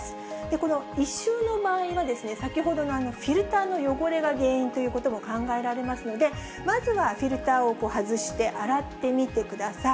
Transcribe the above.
この異臭の場合は、先ほどのフィルターの汚れが原因ということも考えられますので、まずはフィルターを外して洗ってみてください。